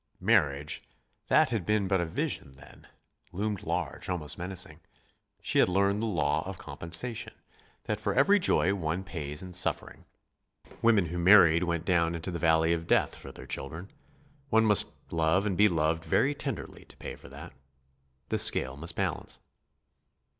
Marriage, that had been but a vision then, loomed large, almost menacing. She had learned the law of compensation: that for every joy one pays in suffering. Women who married went down into the valley of death for their children. One must love and be loved very tenderly to pay for that. The scale must balance.